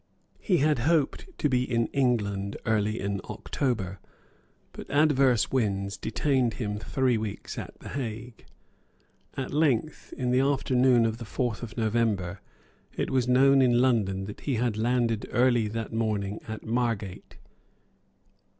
He had hoped to be in England early in October. But adverse winds detained him three weeks at the Hague. At length, in the afternoon of the fourth of November, it was known in London that he had landed early that morning at Margate.